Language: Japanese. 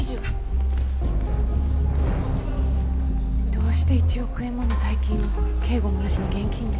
どうして１億円もの大金を警護もなしに現金で。